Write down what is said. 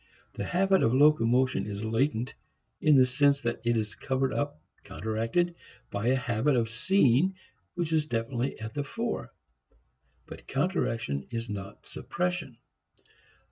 The habit of locomotion is latent in the sense that it is covered up, counteracted, by a habit of seeing which is definitely at the fore. But counteraction is not suppression.